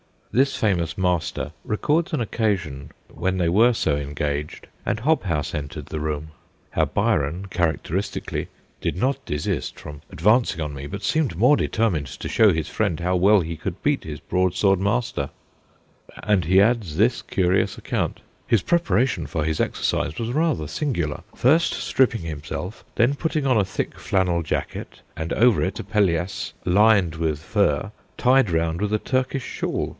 This famous master records an 94 THE GHOSTS OF PICCADILLY occasion when they were so engaged and Hobhouse entered the room ; how Byron, characteristically, 'did not desist from ad vancing on me, but seemed more determined to show his friend how well he could beat his broadsword master,' And he adds this curious account :' His preparation for his exercise was rather singular ; first stripping himself, then putting on a thick flannel jacket, and over it a pelisse lined with fur, tied round with a Turkish shawl.